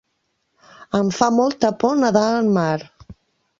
Em fa molta por nedar en mar.